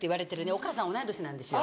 お母さん同い年なんですよ。